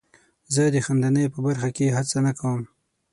زه د خندنۍ په برخه کې هڅه نه کوم.